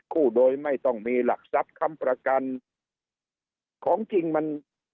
โดยไม่ต้องมีหลักทรัพย์ค้ำประกันของจริงมัน